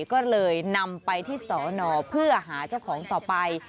ก็เลยนำไปที่สอนอเพื่อหาเจ้าของต่อไป